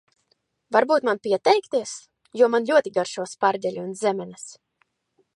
Varbūt man pieteikties? Jo man ļoti garšo sparģeļi un zemenes.